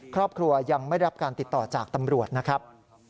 ครอบครัวยังไม่ได้รับการติดต่อจากตำรวจนะครับ